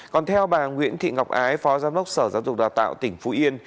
còn theo bà nguyễn thị ngọc ái phó giám đốc sở giáo dục đào tạo tỉnh phú yên